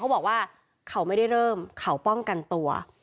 บอกว่าเขาไม่ได้เริ่มเขาป้องกันตัว